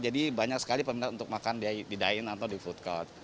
jadi banyak sekali pemerintah untuk makan di dain atau di food court